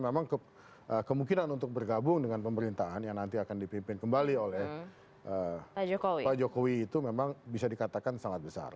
memang kemungkinan untuk bergabung dengan pemerintahan yang nanti akan dipimpin kembali oleh pak jokowi itu memang bisa dikatakan sangat besar